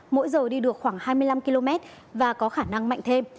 mỗi giờ đi được khoảng hai mươi năm km và có khả năng mạnh thêm